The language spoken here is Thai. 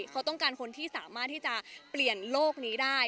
เขาต้องการคนที่สามารถที่จะเปลี่ยนโลกนี้ได้